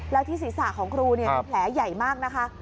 แล้วที่ศีรษะของครูมีแผลใหญ่มากนะคะ